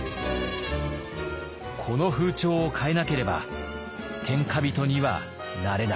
この風潮を変えなければ天下人にはなれない。